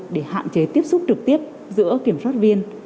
để hạn chế tiếp xúc trực tiếp giữa kiểm soát viên